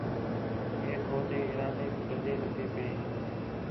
میک ہو تے ارادے گندے لڳدے پئے ہے